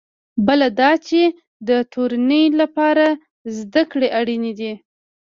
بله دا چې د تورنۍ لپاره زده کړې اړینې دي.